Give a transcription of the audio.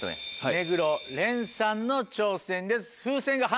目黒蓮さんの挑戦です。